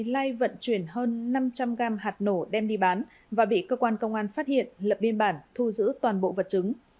lai vận chuyển hơn năm trăm linh gram hạt nổ đem đi bán và bị cơ quan công an phát hiện lập biên bản thu giữ toàn bộ vật chứng